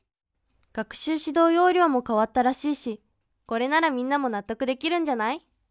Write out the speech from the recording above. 学習指導要領も変わったらしいしこれならみんなも納得できるんじゃない？